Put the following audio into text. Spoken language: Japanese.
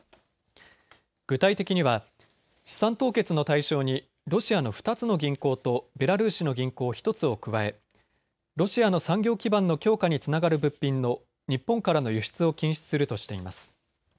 具体的には資産凍結の対象にロシアの２つの銀行とベラルーシの銀行１つを加えロシアの産業基盤の強化につながる物品の日本からの輸出を禁止するとしています。